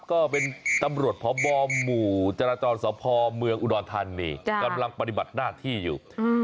ก็เป็นตำรวจพบหมู่จราจรสพเมืองอุดรธานีกำลังปฏิบัติหน้าที่อยู่